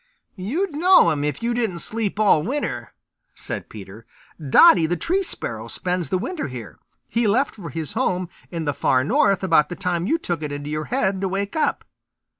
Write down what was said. "You'd know him if you didn't sleep all winter," said Peter. "Dotty the Tree Sparrow spends the winter here. He left for his home in the Far North about the time you took it into your head to wake up."